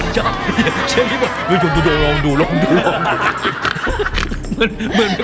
เก่งเรื่องเพลงจริงเชลลี่